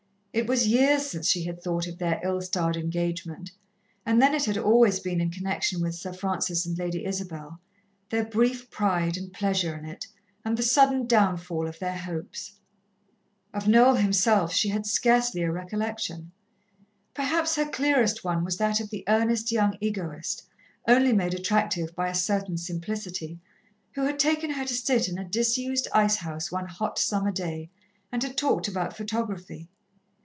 It was years since she had thought of their ill starred engagement, and then it had always been in connection with Sir Francis and Lady Isabel their brief pride and pleasure in it, and the sudden downfall of their hopes. Of Noel himself she had scarcely a recollection. Perhaps her clearest one was that of the earnest young egoist, only made attractive by a certain simplicity, who had taken her to sit in a disused ice house one hot summer day, and had talked about photography.